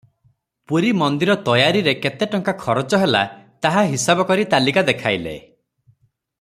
ପୁରୀ ମନ୍ଦିର ତୟାରିରେ କେତେ ଟଙ୍କା ଖରଚ ହେଲା, ତାହା ହିସାବ କରି ତାଲିକା ଦେଖାଇଲେ ।